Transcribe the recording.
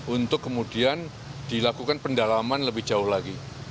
untuk kemudian dilakukan pendalaman lebih jauh lagi